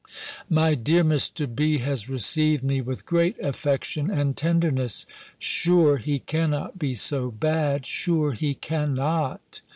My dear Mr. B. has received me with great affection and tenderness. Sure he cannot be so bad! Sure he cannot!